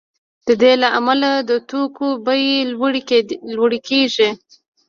د دې له امله د توکو بیې لوړې کیږي